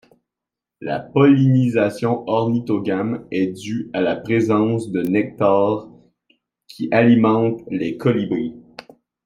La pollinisation ornithogame est due à la présence de nectaires qui alimentent les Colibris.